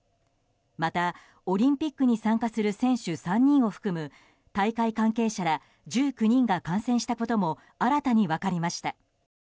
また、オリンピックに参加する選手３人を含む大会関係者ら１９人が感染したことも新たに分かりました。